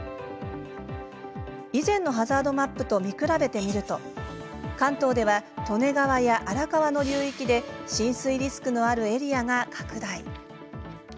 以前のハザードマップと見比べてみると関東では、利根川や荒川の流域で浸水リスクのあるエリアが拡大。